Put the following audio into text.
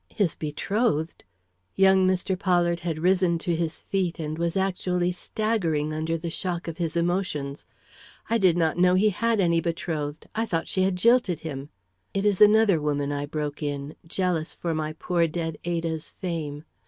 "His betrothed?" Young Mr. Pollard had risen to his feet, and was actually staggering under the shock of his emotions. "I did not know he had any betrothed. I thought she had jilted him " "It is another woman," I broke in, jealous for my poor dead Ada's fame.